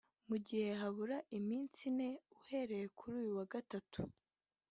Mu gihe habura iminsi ine uhereye kuri uyu wa Gatatu